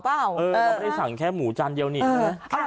เราไม่ได้สั่งแค่หมูจานเดียวเนี่ย